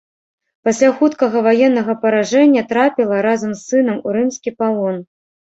Пасля хуткага ваеннага паражэння трапіла, разам з сынам, у рымскі палон.